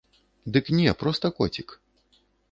Дык не, проста коцік.